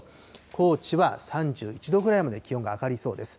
高知は３１度ぐらいまで気温が上がりそうです。